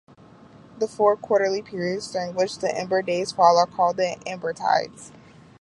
The four quarterly periods during which the ember days fall are called the embertides.